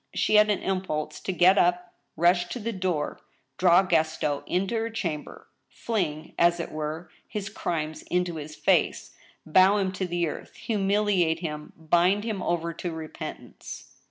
She had an impulse to get up, rush to the door, draw Gaston into her chamber, fling, as it were, his crimes into his face, bow him to the earth, humiliate him, bind him over to repentance.